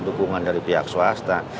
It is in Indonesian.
dukungan dari pihak swasta